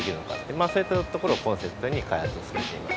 まあそういったところをコンセプトに開発を進めています。